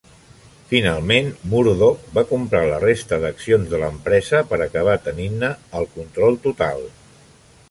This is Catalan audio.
Finalment, Murdoch va comprar la resta d'accions de l'empresa, per acabar tenint-ne el control total.